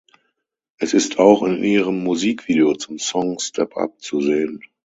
Es ist auch in ihrem Musikvideo zum Song Step Up zu sehen.